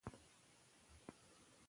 چې يو نوم يې